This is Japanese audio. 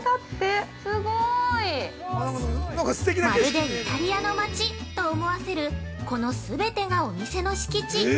「まるでイタリアの町」と思わせる、この全てがお店の敷地。